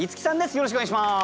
よろしくお願いします。